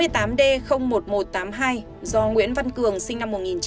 hai mươi tám d một nghìn một trăm tám mươi hai do nguyễn văn cường sinh năm một nghìn chín trăm tám mươi